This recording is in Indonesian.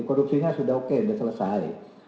jadi korupsinya sudah oke sudah selesai